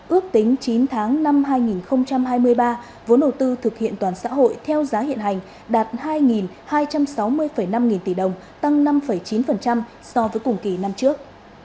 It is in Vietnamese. ước tính chín tháng năm hai nghìn hai mươi ba vốn đầu tư thực hiện toàn xã hội theo giá hiện hành đạt hai hai trăm sáu mươi năm nghìn tỷ đồng tăng năm chín so với cùng kỳ năm trước